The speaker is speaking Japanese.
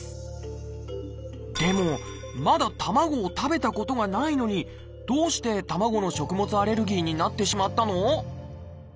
でもまだ卵を食べたことがないのにどうして卵の食物アレルギーになってしまったの？